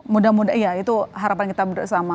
mudah mudahan ya itu harapan kita bersama